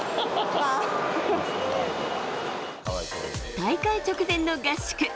大会直前の合宿。